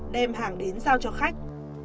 đem hàng đến giao cho khách